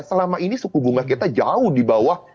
selama ini suku bunga kita jauh di bawah